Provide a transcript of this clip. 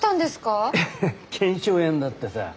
ハハッ腱鞘炎だってさ。